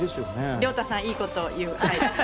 亮太さんいいことを。